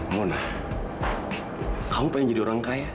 mona kamu pengen jadi orang kaya